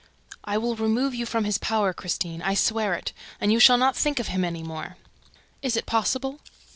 "I will remove you from his power, Christine, I swear it. And you shall not think of him any more." "Is it possible?"